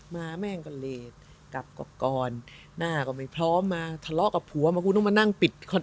มาแม่งก็เลสกลับก่อนหน้าก็ไม่พร้อมคุณเขามาทะเลากับผัวคนที่ไม่ได้หรอก